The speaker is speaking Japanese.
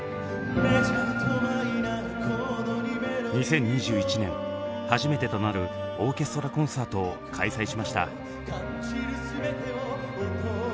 ２０２１年初めてとなるオーケストラコンサートを開催しました。